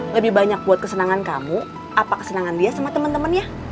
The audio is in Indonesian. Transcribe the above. lebih banyak buat kesenangan kamu apa kesenangan dia sama teman temannya